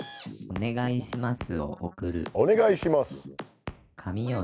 お願いします。